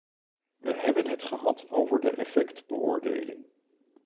We hebben het gehad over de effectbeoordeling.